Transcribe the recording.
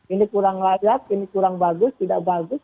ini kurang layak ini kurang bagus tidak bagus